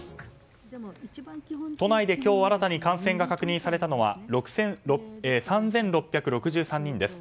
都内で今日新たに感染が確認されたのは３６６３人です。